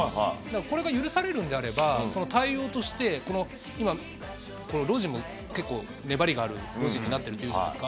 これが許されるんであれば、その対応として、今、ロジンも結構粘りがあるロジンになってるじゃないですか。